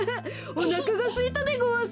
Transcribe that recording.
おなかがすいたでごわす。